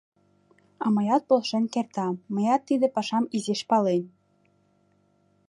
А мыят полшен кертам, мыят тиде пашам изиш палем.